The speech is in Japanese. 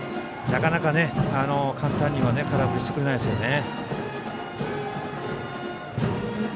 なかなか、簡単には空振りしてくれないですよね。